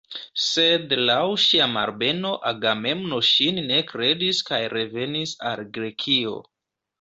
Sed laŭ ŝia malbeno Agamemno ŝin ne kredis kaj revenis al Grekio.